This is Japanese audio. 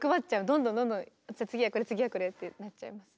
どんどんどんどん次はこれ次はこれってなっちゃいます。